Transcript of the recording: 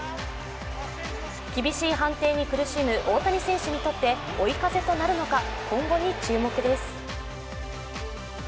厳しい判定に苦しむ大谷選手にとって追い風となるのか今後に注目です。